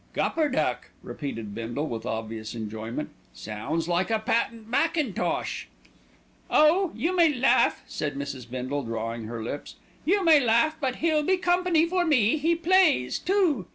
"Gupperduck!" repeated Bindle with obvious enjoyment. "Sounds like a patent mackintosh." "Oh! you may laugh," said Mrs. Bindle, drawing her lips, "you may laugh; but he'll be company for me. He plays too."